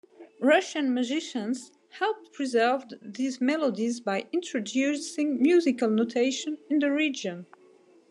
Russian musicians helped preserve these melodies by introducing musical notation in the region.